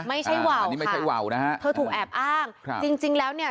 ไม่ใช่ว่าวนี่ไม่ใช่ว่าวนะฮะเธอถูกแอบอ้างครับจริงจริงแล้วเนี่ย